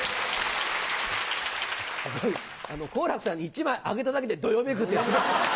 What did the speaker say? すごい！好楽さんに１枚あげただけでどよめくってすごい。